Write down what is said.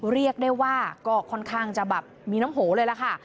เรียกได้ว่าก็ค่อนข้างจะแบบมีน้ำโหเลยล่ะค่ะ